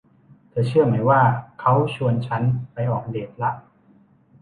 เธอเชื่อไหมว่าเค้าชวนชั้นไปออกเดทล่ะ